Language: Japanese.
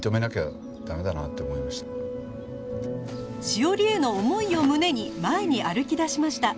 史織への思いを胸に前に歩き出しました